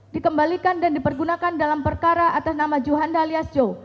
dikembalikan dan dipergunakan dalam perkara atas nama juhanda alias joe